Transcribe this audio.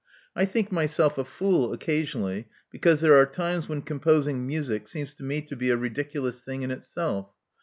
I think myself a fool occasionally, because there are times when composing music seems to me to be a ridiculous thing in itself.